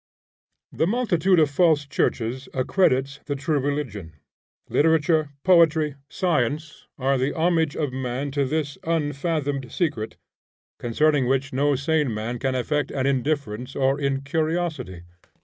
The multitude of false churches accredits the true religion. Literature, poetry, science are the homage of man to this unfathomed secret, concerning which no sane man can affect an indifference or incuriosity.